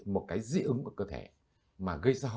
một cái dị ứng của cơ thể mà gây ra